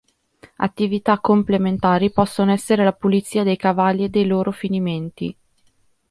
Attività complementari possono essere la pulizia dei cavalli e dei loro finimenti.